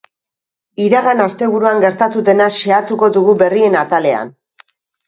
Iragan asteburuan gertatu dena xehatuko dugu berrien atalean.